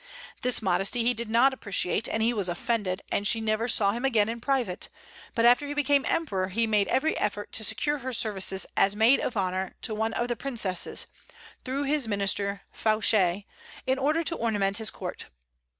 This modesty he did not appreciate, and he was offended, and she never saw him again in private; but after he became Emperor, he made every effort to secure her services as maid of honor to one of the princesses, through his minister Fouché, in order to ornament his court.